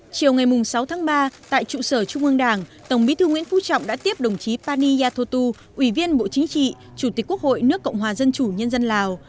chiều ngày sáu tháng ba tại trụ sở trung ương đảng tổng bí thư nguyễn phú trọng đã tiếp đồng chí pani yathotu ủy viên bộ chính trị chủ tịch quốc hội nước cộng hòa dân chủ nhân dân lào